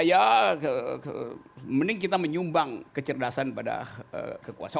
ya mending kita menyumbang kecerdasan pada kekuasaan